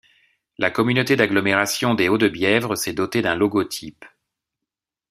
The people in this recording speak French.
La communauté d'agglomération des Hauts-de-Bièvre s'est dotée d'un logotype.